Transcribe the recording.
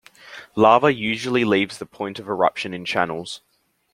Lava usually leaves the point of eruption in channels.